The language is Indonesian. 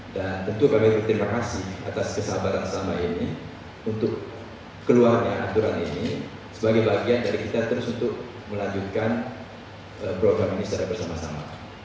dan tentu kami berterima kasih atas kesabaran selama ini untuk keluarnya aturan ini sebagai bagian dari kita terus untuk melanjutkan program ini secara bersama sama